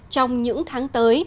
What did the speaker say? trong những tháng tới